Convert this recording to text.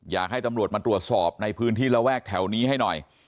อยากให้ตำรวจมาตรวจสอบในพื้นที่ระแวกแถวนี้ให้หน่อย